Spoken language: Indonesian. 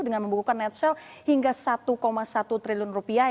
dengan membukukan net sale hingga satu satu triliun rupiah